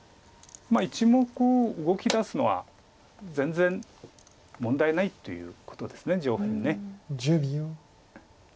１目動きだすのは全然問題ないということです上辺。